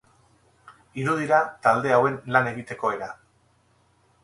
Hiru dira talde hauen lan egiteko era.